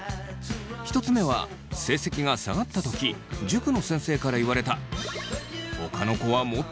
１つ目は成績が下がった時塾の先生から言われた出た。